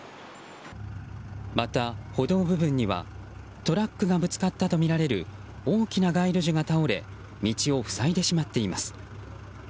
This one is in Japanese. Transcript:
また、歩道部分にはトラックがぶつかったとみられる大きな街路樹が倒れ道を塞いでしまっています。